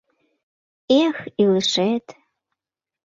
Эх, илышет!